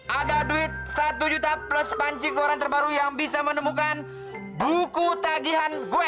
ada duit satu juta plus pancik waran terbaru yang bisa menemukan buku tagian gue